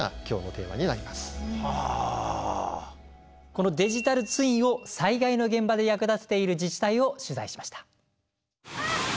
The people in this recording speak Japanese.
このデジタルツインを災害の現場で役立てている自治体を取材しました。